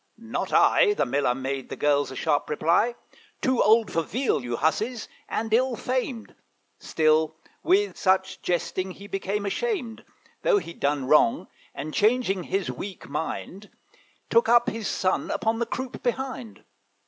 'Not I,' The Miller made the girls a sharp reply: 'Too old for veal, you hussies, and ill famed.' Still with such jesting he became ashamed, Thought he'd done wrong; and changing his weak mind, [Illustration: THE MILLER, HIS SON, AND THE ASS.] Took up his son upon the croup behind.